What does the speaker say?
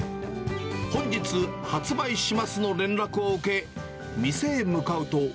本日発売しますの連絡を受け、店へ向かうと。